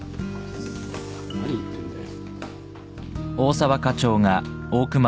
何言ってんだよ。